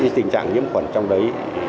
tình trạng nhiễm khuẩn trong đấy